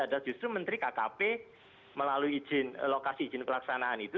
ada justru menteri kkp melalui izin lokasi izin pelaksanaan itu